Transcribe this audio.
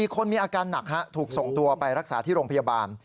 คนมีอาการหนักถูกส่งตัวไปรักษาที่โรงพยาบาล